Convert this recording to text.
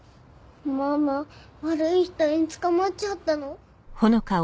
ママ悪い人に捕まっちゃったの？